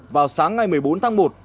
vào sáng ngày một mươi bốn tháng một